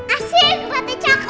asik berarti coklat